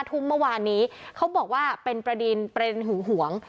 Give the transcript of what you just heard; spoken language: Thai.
ทุ่มเมื่อวานนี้เขาบอกว่าเป็นประเด็นประเด็นหึงหวง